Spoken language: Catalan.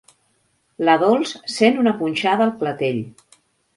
La Dols sent una punxada al clatell.